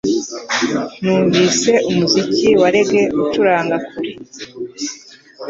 Numvise umuziki wa reggae ucuranga kure